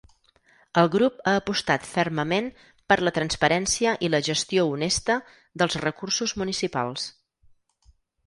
El grup ha apostat fermament per la transparència i la gestió honesta dels recursos municipals.